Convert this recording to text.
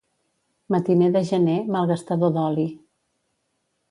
Matiner de gener, malgastador d'oli.